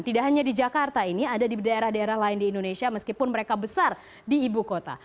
tidak hanya di jakarta ini ada di daerah daerah lain di indonesia meskipun mereka besar di ibu kota